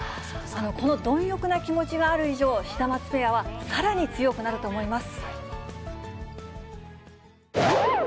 この貪欲な気持ちがある以上、シダマツペアはさらに強くなると思います。